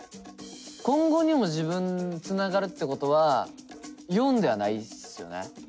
今後にも自分つながるってことは④ではないっすよね。